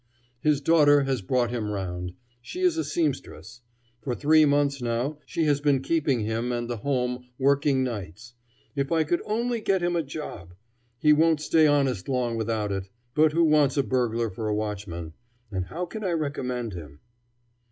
His daughter has brought him round. She is a seamstress. For three months, now, she has been keeping him and the home, working nights. If I could only get him a job! He won't stay honest long without it; but who wants a burglar for a watchman? And how can I recommend him?"